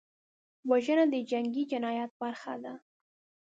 وژنه د جنګي جنایت برخه ده